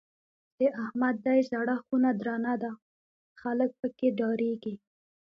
د احمد دی زړه خونه درنه ده؛ خلګ په کې ډارېږي.